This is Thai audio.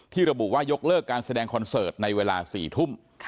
ระบุว่ายกเลิกการแสดงคอนเสิร์ตในเวลา๔ทุ่ม